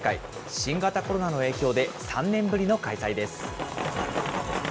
新型コロナの影響で、３年ぶりの開催です。